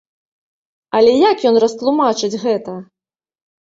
Але як ён растлумачыць гэта?